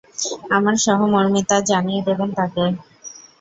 আমার সহমর্মিতা জানিয়ে দেবেন তাকে।